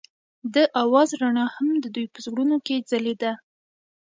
د اواز رڼا هم د دوی په زړونو کې ځلېده.